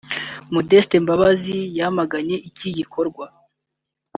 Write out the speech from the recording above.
Modeste Mbabazi yamaganye iki gikorwa